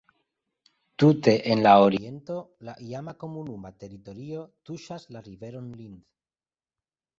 Tute en la oriento la iama komunuma teritorio tuŝas la riveron Linth.